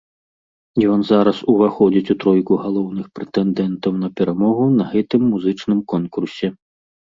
Ён зараз уваходзіць у тройку галоўных прэтэндэнтаў на перамогу на гэтым музычным конкурсе.